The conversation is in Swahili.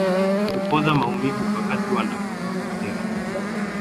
Hupoza maumivu wakati unapata jeraha huku ikiondoa maumivu ya misuli